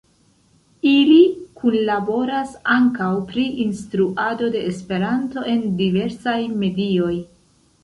Ili kunlaboras ankaŭ pri instruado de Esperanto en diversaj medioj.